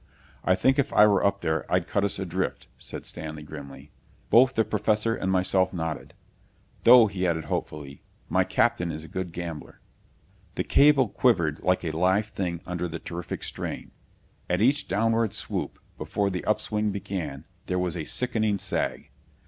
"I think if I were up there I'd cut us adrift," said Stanley grimly. Both the Professor and myself nodded. "Though," he added hopefully, "my captain is a good gambler...." The cable quivered like a live thing under the terrific strain. At each downward swoop, before the upswing began, there was a sickening sag.